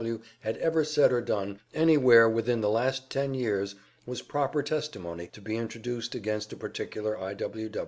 W. W. had ever said or done anywhere within the last ten years was proper testimony to be introduced against a particular I. W.